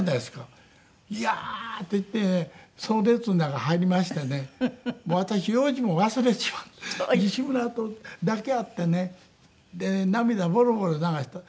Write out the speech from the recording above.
いや！っていってその列の中入りましてね私用事も忘れてしまって西村と抱き合ってねで涙ボロボロ流した。